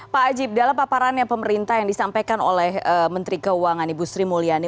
pak ajib dalam paparannya pemerintah yang disampaikan oleh menteri keuangan ibu sri mulyani